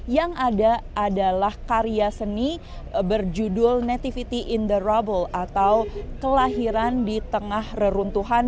yang ada adalah karya seni berjudul nativity in the rouble atau kelahiran di tengah reruntuhan